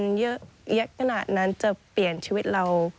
มันเยอะแยะขนาดนั้นจะเปลี่ยนชีวิตเรา